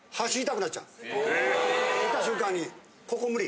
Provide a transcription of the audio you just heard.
見た瞬間にここ無理。